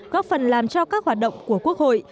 góp phần làm cho các hoạt động của quốc hội